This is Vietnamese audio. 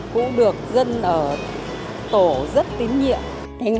cũng được dân ở tổ rất tín nhiệm